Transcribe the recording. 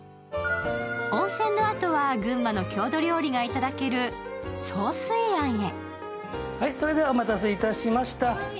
温泉のあとは群馬の郷土料理が頂ける蒼水庵へ。